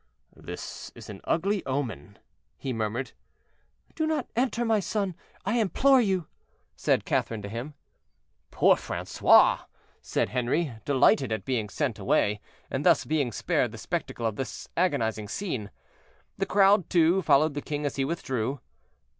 "This is an ugly omen," he murmured. "Do not enter, my son, I implore you," said Catherine to him. "Poor Francois!" said Henri, delighted at being sent away, and thus being spared the spectacle of this agonizing scene. The crowd, too, followed the king as he withdrew.